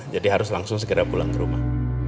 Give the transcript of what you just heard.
jadi harus langsung segera pulang ke rumah